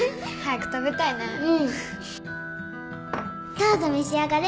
どうぞ召し上がれ